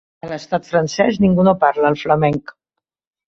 A l'estat francès ningú no parla el flamenc